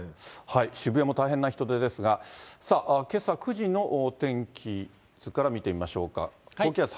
渋谷も大変な人出ですが、けさ９時の天気図から見てみましょうか。